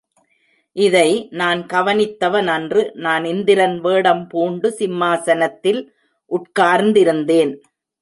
இதை நான் கவனித்தவனன்று நான் இந்திரன் வேடம் பூண்டு சிம்மாசனத்தில் உட்கார்ந்திருந்தேன்.